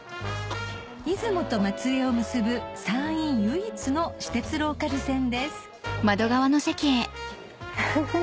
出雲と松江を結ぶ山陰唯一の私鉄ローカル線ですフフフ